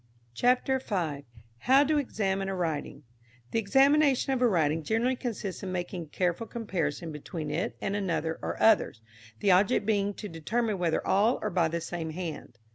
CHAPTER V. HOW TO EXAMINE A WRITING. The examination of a writing generally consists in making a careful comparison between it and another or others, the object being to determine whether all are by the same hand.